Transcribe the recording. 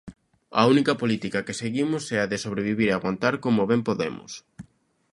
A única política que seguimos é a de sobrevivir e aguantar como ben podemos.